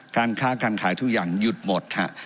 การค้าการขายทุกอย่างหยุดหมดฮะ